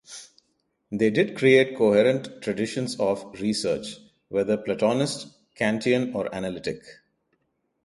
They did create coherent traditions of research--whether Platonist, Kantian, or Analytic.